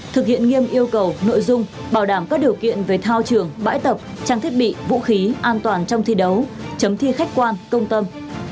thực hiện nghiêm yêu cầu nội dung bảo đảm các điều kiện về thao trường bãi tập trang thiết bị vũ khí an toàn trong thi đấu chấm thi khách quan công tâm